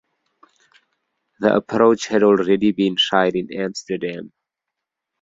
The approach had already been tried in Amsterdam.